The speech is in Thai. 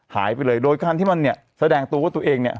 หายไปเลยโดยการที่มันเนี่ยแสดงตัวว่าตัวเองเนี่ย